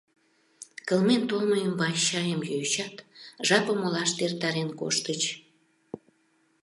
Кылмен толмо ӱмбач чайым йӱычат, жапым олаште эртарен коштыч.